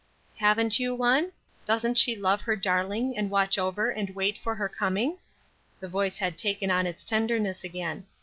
"Haven't you one? Doesn't she love her darling and watch over and wait for her coming?" The voice had taken on its tenderness again.